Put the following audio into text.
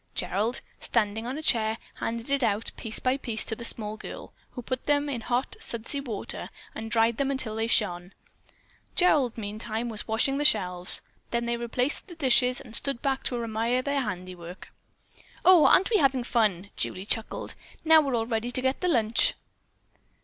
Gerald, standing on a chair, handed it out, piece by piece, to the small girl, who put them in hot, sudsy water and then dried them till they shone. Gerald, meantime, was washing the shelves. Then they replaced the dishes and stood back to admire their handiwork. "Oh, aren't we having fun?" Julie chuckled. "Now, we're all ready to get the lunch."